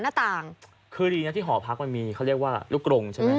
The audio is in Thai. หน้าต่างคือดีนะที่หอพักมันมีเขาเรียกว่าลูกกรงใช่ไหม